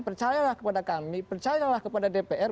percayalah kepada kami percayalah kepada dpr